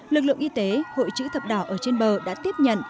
lực lượng y tế hội chữ thập đỏ ở trên bờ đã tiếp nhận